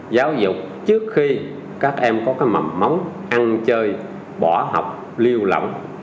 giáo dục trước khi các em có cái mầm móng ăn chơi bỏ học liều lỏng